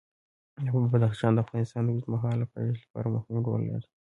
بدخشان د افغانستان د اوږدمهاله پایښت لپاره مهم رول لري.